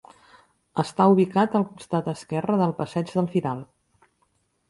Està ubicat al costat esquerre del Passeig del Firal.